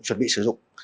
chuẩn bị sử dụng